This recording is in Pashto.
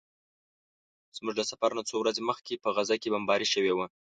زموږ له سفر نه څو ورځې مخکې په غزه کې بمباري شوې وه.